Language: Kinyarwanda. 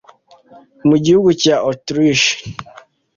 Mu gihugu cya Autriche,